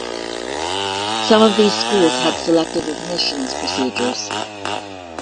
Some of these schools had selective admissions procedures.